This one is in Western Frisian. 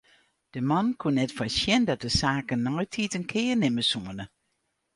De man koe net foarsjen dat de saken neitiid in kear nimme soene.